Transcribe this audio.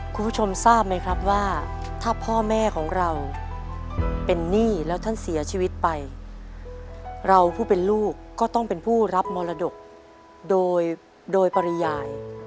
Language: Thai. คุณผู้ชมทราบไหมครับว่าถ้าพ่อแม่ของเราเป็นหนี้แล้วท่านเสียชีวิตไปเราผู้เป็นลูกก็ต้องเป็นผู้รับมรดกโดยโดยปริยาย